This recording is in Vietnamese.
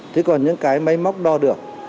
thế còn những cái máy móc đo được